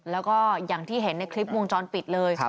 แล้วก็อย่างที่เห็นในคลิปวงจรปิดเลย